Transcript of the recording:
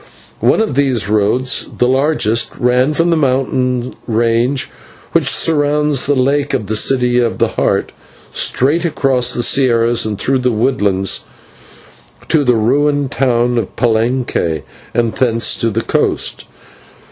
One of these roads, the largest, ran from the mountain range which surrounds the lake of the City of the Heart, straight across /sierras/ and through woodlands to the ruined town of Palenque, and thence to the coast.